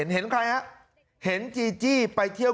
น้องมันเป็นมหาดแล้ว